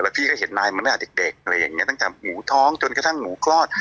พี่ก็เห็นนายมาตั้งแต่เด็กอะไรอย่างนี้ตั้งแต่หมูท้องจนกระทั่งหมูคลอด